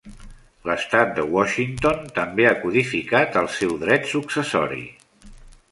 L"estat de Washington també ha codificat el seu dret successori.